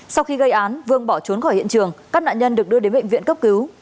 sau khi gây án vương bỏ trốn khỏi hiện trường các nạn nhân được đưa đến bệnh viện cấp cứu